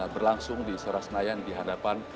berlangsung di istora senayan di hadapan